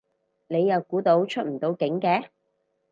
你又估到出唔到境嘅